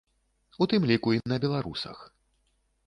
У тым ліку і на беларусах.